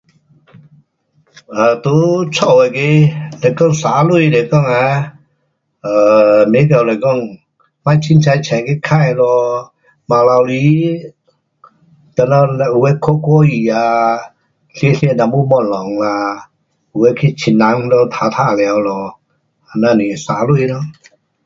啊，在家那个若讲省钱来讲啊，呃，东西是讲别随便出去花咯。晚头里，你们嘞有的看看戏啊，吃吃一点东西啦，有的去亲人那里玩玩耍咯，这样是省钱咯。